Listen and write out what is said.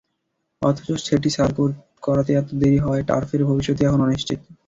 অথচ সেটি ছাড় করাতে এতটা দেরি হওয়ায় টার্ফের ভবিষ্যৎই এখন অনিশ্চিত।